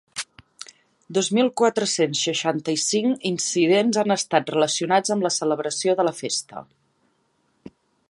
Dos mil quatre-cents seixanta-cinc incidents han estat relacionats amb la celebració de la festa.